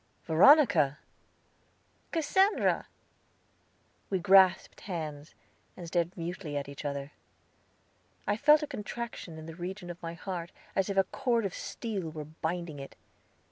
"Veronica!" "Cassandra!" We grasped hands, and stared mutely at each other. I felt a contraction in the region of my heart, as if a cord of steel were binding it.